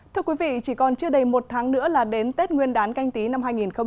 thưa quý vị chỉ còn chưa đầy một tháng nữa là đến tết nguyên đán canh tí năm hai nghìn hai mươi